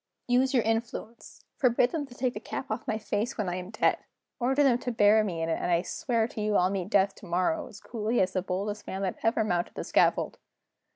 Use your influence forbid them to take the cap off my face when I am dead order them to bury me in it, and I swear to you I'll meet death tomorrow as coolly as the boldest man that ever mounted the scaffold!"